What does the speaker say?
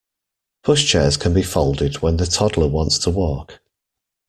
Pushchairs can be folded when the toddler wants to walk